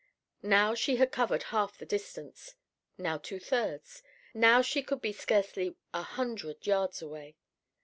Now she had covered half the distance; now two thirds; now she could be scarcely a hundred yards away.